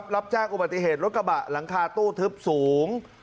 รับแจ้งอุบัติเหตุรถกระบะหลังคาตู้ทึบสูง